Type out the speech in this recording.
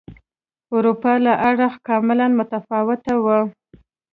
اروپا له اړخه کاملا متفاوته وه.